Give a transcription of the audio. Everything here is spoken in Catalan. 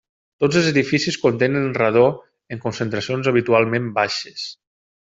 Tots els edificis contenen radó en concentracions habitualment baixes.